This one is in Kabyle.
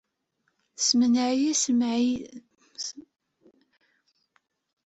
Semneɛ-iyi si lmeɛṣiyat-iw.